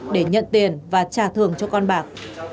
để nhận tiền và trả thưởng cho con bạc